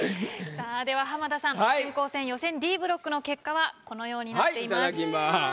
さあでは浜田さん春光戦予選Ｄブロックの結果はこのようになっています。